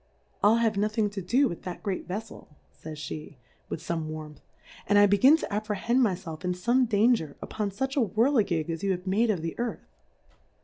I'll have notliing to do with that great Veffel, fays fie, with ibme Warmth, and I begin to apprehend my Self in fome Danger upon fuch a Whirlegig as you have made of the Earth.